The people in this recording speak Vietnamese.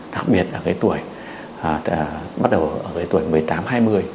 đặc biệt là cái tuổi bắt đầu ở cái tuổi một mươi tám hai mươi